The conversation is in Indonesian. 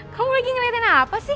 kamu lagi ngeliatin apa sih